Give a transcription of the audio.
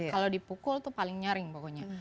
kalau dipukul itu paling nyaring pokoknya